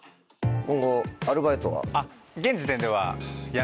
今後アルバイトは？